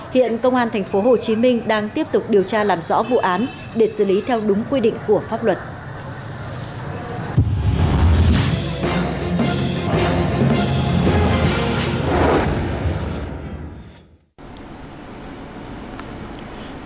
hiện công an tp hcm đang tiếp tục điều tra làm rõ vụ án để xử lý theo đúng quy định của pháp luật